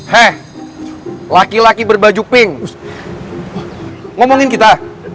hei laki laki berbaju pink ngomongin kita